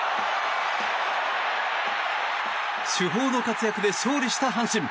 主砲の活躍で勝利した阪神。